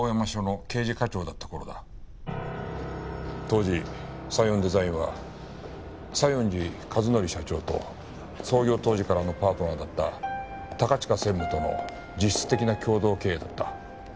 当時サイオンデザインは西園寺和則社長と創業当時からのパートナーだった高近専務との実質的な共同経営だった。